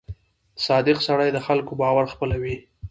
• صادق سړی د خلکو باور خپلوي.